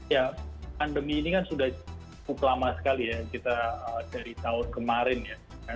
ya pandemi ini kan sudah cukup lama sekali ya kita dari tahun kemarin ya